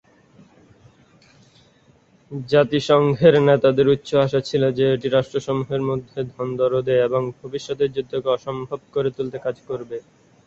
জাতিসংঘের নেতাদের উচ্চ আশা ছিল যে এটি রাষ্ট্রসমূহের মধ্যে দ্বন্দ্ব রোধে এবং ভবিষ্যতের যুদ্ধকে অসম্ভব করে তুলতে কাজ করবে।